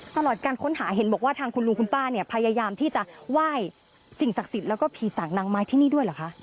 ตลอดการค้นหาเห็นบอกว่าทางคุณลุงคุณป้าเนี่ยพยายามที่จะไหว้สิ่งศักดิ์สิทธิ์แล้วก็ผีสางนางไม้ที่นี่ด้วยเหรอคะ